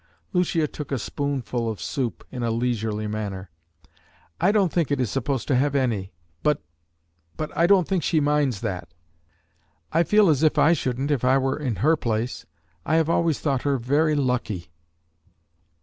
Lucia took a spoonful of soup in a leisurely manner. "I don't think it is supposed to have any; but but I don't think she minds that. I feel as if I shouldn't if I were in her place. I have always thought her very lucky."